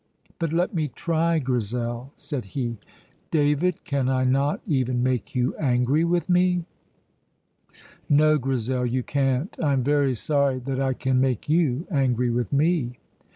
"But let me try, Grizel," said he. "David, can I not even make you angry with me?" "No, Grizel, you can't. I am very sorry that I can make you angry with me."